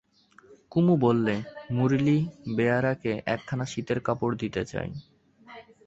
কুমু বললে, মুরলী বেয়ারাকে একখানা শীতের কাপড় দিতে চাই।